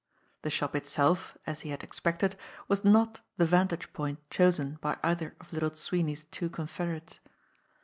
The shop itself, as he had expected, was not the vantage point chosen by either of Little Sweeney's two confederates.